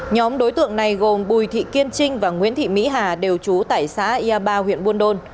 nhóm đối tượng này gồm bùi thị kiên trinh và nguyễn thị mỹ hà đều trú tại xã yà ba huyện buôn đôn